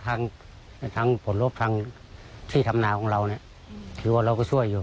ทางผลลบทางที่ธรรมนาของเราคือว่าเราก็ช่วยอยู่